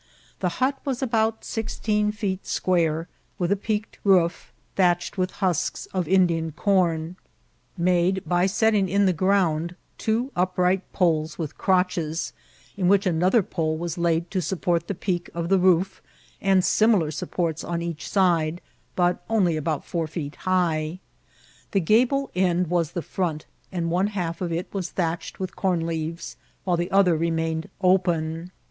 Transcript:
The hut was about sixteen feet square, with a peaked roof, thatched with huska of In* dian com, made by setting in the ground two iqarig^t poles widi crotches, in which another pole was laid to vappcftt the peak of the roof, and sinukr siiqpparts on each side, but only about four feet hi^ The gable end was the front, and one half of it was thatched vrith corn leaves, while the other remained open.